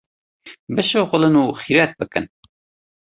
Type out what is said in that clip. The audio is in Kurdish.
bişuxulin û xîretbikin.